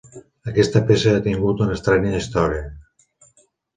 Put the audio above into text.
Aquesta peça ha tingut una estranya història.